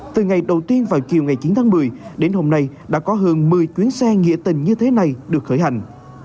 từ ngày đầu tiên vào chiều ngày chín tháng một mươi đến hôm nay đã có hơn một mươi tuyến xe nghĩa tình như thế này được khởi hành